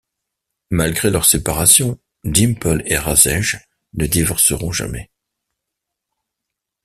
Malgré leur séparation, Dimple et Rajesh ne divorceront jamais.